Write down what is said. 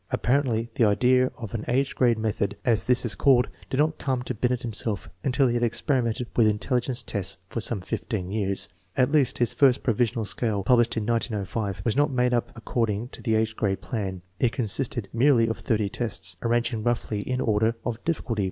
Apparently the idea of an age grade method, as this is called, did not come to Binet himself until he had experimented with intelligence tests for some fifteen years. At least his first provisional scale, published in 1905, was not made up according to the age grade plan. It consisted merely of 30 tests, arranged roughly in order of difficulty.